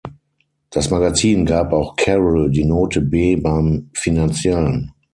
Das Magazin gab auch Carroll die Note B beim Finanziellen.